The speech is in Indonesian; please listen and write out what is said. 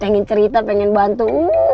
pengen cerita pengen bantu